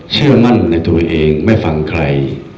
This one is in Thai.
เชื่อมั่นในตัวเองไม่ฟังใคร